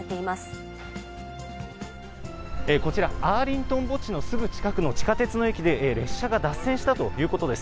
こちら、アーリントン墓地のすぐ近くの地下鉄の駅で、列車が脱線したということです。